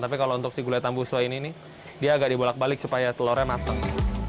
tapi kalau untuk si gulai tambusu ini dia agak dibolak balik supaya telurnya matang